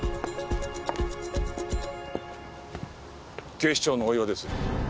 警視庁の大岩です。